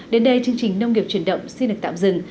đến đây chương trình nông nghiệp truyền động xin được tạm dừng